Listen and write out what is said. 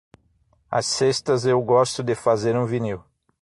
Às sextas eu gosto de fazer um vinil.